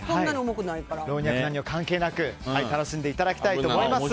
老若男女関係なく楽しんでいただきたいと思います。